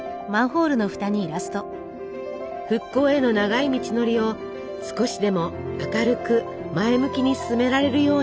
復興への長い道のりを少しでも明るく前向きに進められるように。